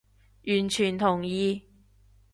完全同意